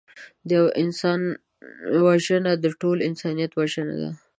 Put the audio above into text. د یوه انسان وژنه د ټول انسانیت وژنه ده